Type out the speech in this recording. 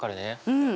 うん。